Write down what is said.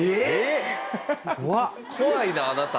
怖いなあなた。